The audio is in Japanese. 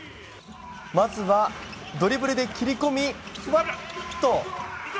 まずはドリブルで切り込みふわっと。